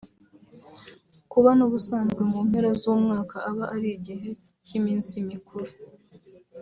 Kuba n’ubusanzwe mu mpera z’umwaka aba ari igihe cy’iminsi mikuru